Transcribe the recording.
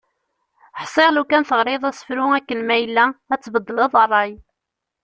Ḥsiɣ lufan teɣriḍ asefru akken ma yella, ad tbeddleḍ rray.